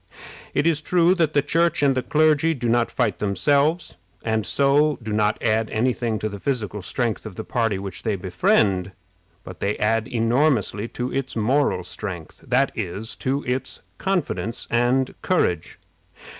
It is true that the Church and the clergy do not fight themselves, and so do not add any thing to the physical strength of the party which they befriend, but they add enormously to its moral strength, that is, to its confidence and courage.